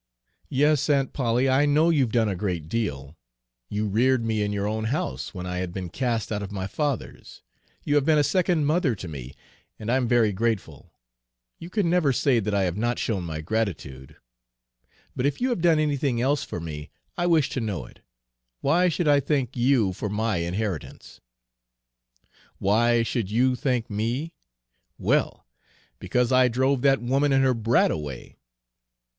"Yes, Aunt Polly, I know you've done a great deal. You reared me in your own house when I had been cast out of my father's; you have been a second mother to me, and I am very grateful, you can never say that I have not shown my gratitude. But if you have done anything else for me, I wish to know it. Why should I thank you for my inheritance?" "Why should you thank me? Well, because I drove that woman and her brat away."